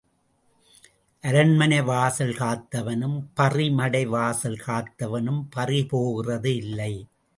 அரண்மனை வாசல் காத்தவனும் பறிமடை வாசல் காத்தவனும் பறிபோகிறது இல்லை.